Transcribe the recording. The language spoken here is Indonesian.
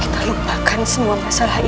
kita lupakan semua masalah ini